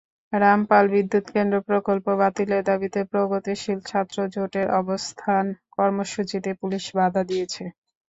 রামপাল বিদ্যুৎকেন্দ্র প্রকল্প বাতিলের দাবিতে প্রগতিশীল ছাত্র জোটের অবস্থান কর্মসূচিতে পুলিশ বাধা দিয়েছে।